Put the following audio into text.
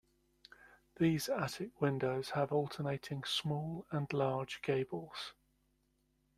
These attic windows have alternating small and large gables.